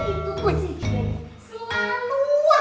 selalu aja bikin kesalahan